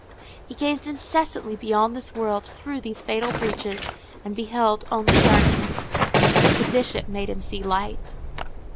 He gazed incessantly beyond this world through these fatal breaches, and beheld only darkness. The Bishop made him see light.